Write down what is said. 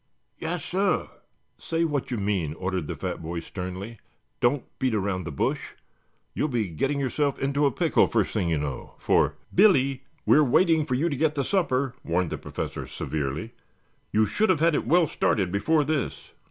"Yassir." "Say what you mean," ordered the fat boy sternly. "Don't beat around the bush. You'll be getting yourself into a pickle first thing you know, for " "Billy! We are waiting for you to get the supper," warned the Professor severely. "You should have had it well started before this."